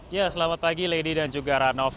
ya selamat pagi lady dan juga ranov